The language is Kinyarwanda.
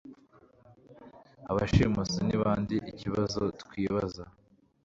Abashimusi ni bandeikibazo twibaza